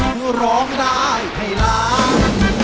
คนร้องได้ให้ร้าง